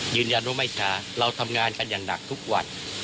ยืนยันว่าไม่ช้าเราทำงานกันอย่างหนักทุกวัน